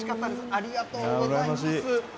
ありがとうございます。